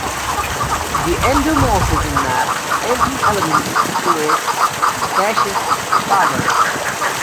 The endomorphism maps every element to its -th power.